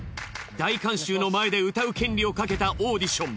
大観衆の前で歌う権利をかけたオーディション。